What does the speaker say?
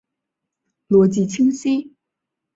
逻辑清晰！